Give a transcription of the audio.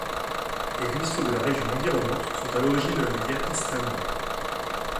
Les ruisseaux de la région environnante sont à l’origine de la rivière East Humber.